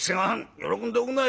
喜んでおくんなさい。